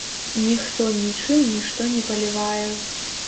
Ніхто нічым нішто не палівае.